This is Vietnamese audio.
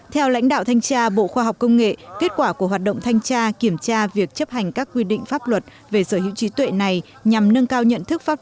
theo lãnh đạo thanh tra bộ khoa học công nghệ kết quả của hoạt động thanh tra kiểm tra việc chấp hành các quy định pháp luật về sở hữu trí tuệ này nhằm nâng cao nhận thức pháp luật